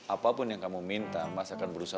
apapun yang kamu minta mas akan berusaha